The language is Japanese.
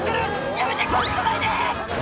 やめてこっち来ないで！」